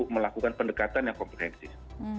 melakukan pendekatan yang kompetensif